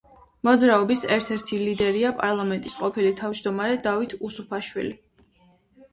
მოძრაობის ერთ-ერთი ლიდერია პარლამენტის ყოფილი თავმჯდომარე დავით უსუფაშვილი.